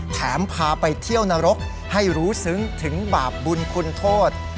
พาไปเที่ยวนรกให้รู้ซึ้งถึงบาปบุญคุณโทษ